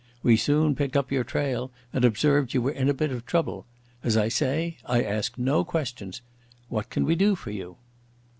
We soon picked up your trail, and observed you were in a bit of trouble. As I say, I ask no questions. What can we do for you?"